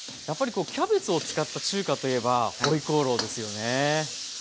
やっぱりこうキャベツを使った中華といえば回鍋肉ですよね。